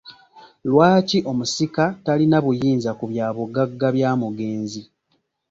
Lwaki omusika talina buyinza ku byabugagga bya mugenzi?